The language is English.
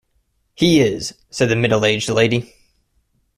‘He is,’ said the middle-aged lady.